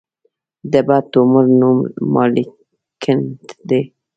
د بد تومور نوم مالېګننټ دی.